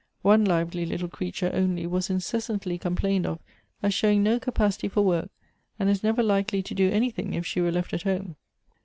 One lively little crea ture only was incessantly complained of as showing no capacity for work, and as never likely to do any thing if she were left at home.